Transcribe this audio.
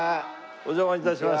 お邪魔致します。